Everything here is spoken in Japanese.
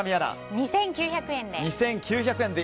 ２９００円で。